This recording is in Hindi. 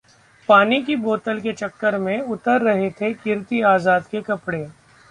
पानी की बोतल के चक्कर में उतर रहे थे कीर्ति आजाद के कपड़े